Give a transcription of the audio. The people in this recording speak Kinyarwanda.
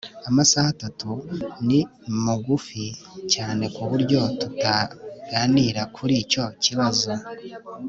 Amasaha atatu ni mugufi cyane kuburyo tutaganira kuri icyo kibazo